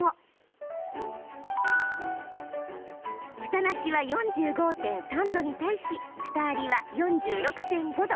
ふたなしは４５．３度に対しふたありは４６．５度。